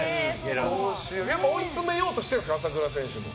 追い詰めようとしてるんですか朝倉選手も。